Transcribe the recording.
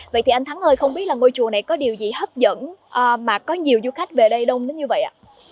vậy thì anh thắng ơi không biết là ngôi chùa này có điều gì hấp dẫn mà có nhiều du khách về đây đông đến như vậy ạ